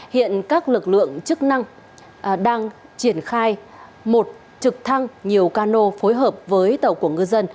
hiện các lực lượng chức năng đang triển khai một trực thăng nhiều cano phối hợp với tàu của ngư dân